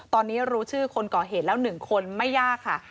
ผู้ชื่อคนก่อเหตุแล้วหนึ่งคนไม่ยากค่ะ